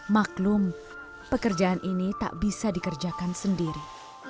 maklum pekerjaan ini tak bisa dikerjakan sendiri